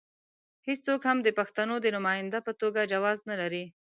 هېڅوک هم د پښتنو د نماینده په توګه جواز نه لري.